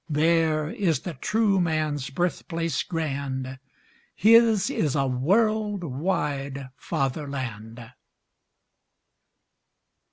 There is the true man's birthplace grand, His is a world wide fatherland!